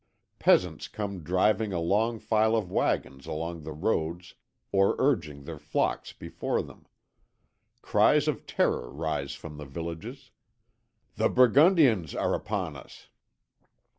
Peasants come driving a long file of waggons along the roads or urging their flocks before them. Cries of terror rise from the villages, 'The Burgundians are upon us!'